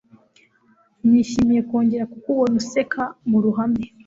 Nishimiye kongera kukubona useka muruhame.